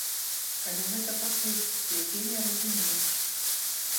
Але гэта па тых, якія не разумееш.